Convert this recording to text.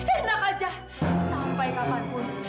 enak aja sampai kapanpun